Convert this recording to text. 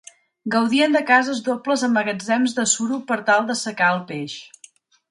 Gaudien de cases dobles amb magatzems de suro per tal d'assecar el peix.